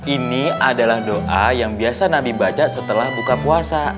ini adalah doa yang biasa nabi baca setelah buka puasa